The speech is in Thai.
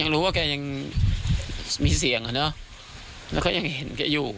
รู้ว่าแกยังมีเสี่ยงและก็ยังเห็นแกอยู่